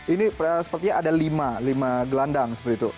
ini sepertinya ada lima lima gelandang seperti itu